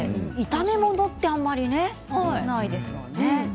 炒め物ってあまりないですよね。